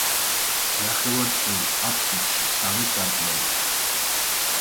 ნახევარწრიულ აფსიდში სამი სარკმელია.